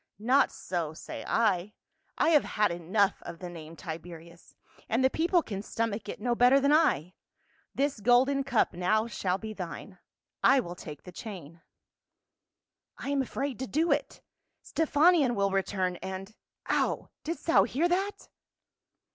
Not so, say I. I have had enough of the name Tiberius, and the people can stomach it no better than I. This golden cup now shall be thine. I will take the chain." " I am afraid to do it ; Stephanion will return, and — Ow ! Didst thou hear that